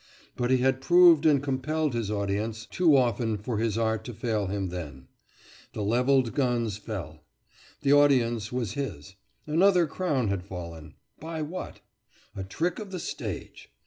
But he had proved and compelled his audience too often for his art to fail him then. The leveled guns fell. The audience was his. Another crown had fallen! By what? A trick of the stage!